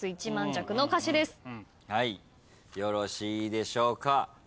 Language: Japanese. よろしいでしょうか。